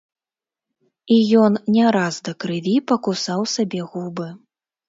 І ён не раз да крыві пакусаў сабе губы.